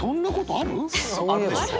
あるでしょ！